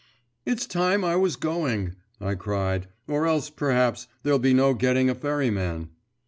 'It's time I was going!' I cried, 'or else perhaps, there'll be no getting a ferryman.